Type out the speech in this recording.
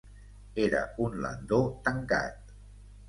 Era un landó tancat.